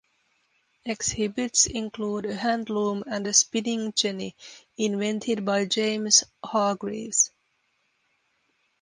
Exhibits include a handloom and a spinning jenny, invented by James Hargreaves.